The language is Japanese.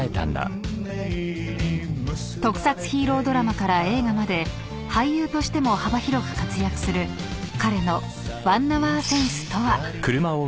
［特撮ヒーロードラマから映画まで俳優としても幅広く活躍する彼の］